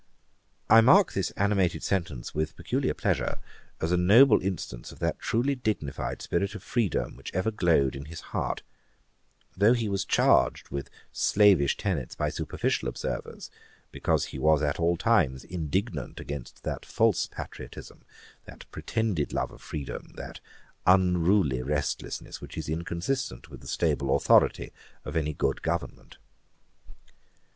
I mark this animated sentence with peculiar pleasure, as a noble instance of that truly dignified spirit of freedom which ever glowed in his heart, though he was charged with slavish tenets by superficial observers; because he was at all times indignant against that false patriotism, that pretended love of freedom, that unruly restlessness, which is inconsistent with the stable authority of any good government.